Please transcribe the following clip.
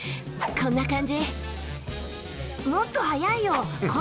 こんな感じ。